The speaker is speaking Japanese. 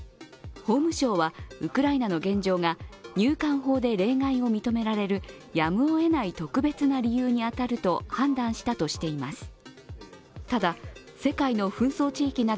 法務省は、ウクライナの現状が入管法で例外を認められるやむをえない特別な理由に当たると判断したとしています。